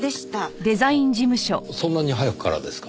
そんなに早くからですか。